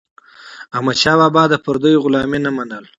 احمدشاه بابا د پردیو غلامي نه منله.